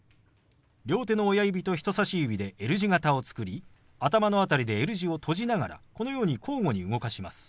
両手の親指と人さし指でＬ字型を作り頭の辺りでＬ字を閉じながらこのように交互に動かします。